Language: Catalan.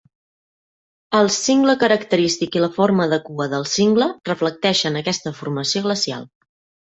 El cingle característic i la forma de cua del cingle reflecteixen aquesta formació glacial.